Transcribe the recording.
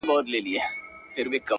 لکه باران اوس د هيندارو له کوڅې وځم!!